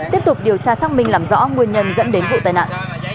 tiếp tục điều tra xác minh làm rõ nguyên nhân dẫn đến vụ tai nạn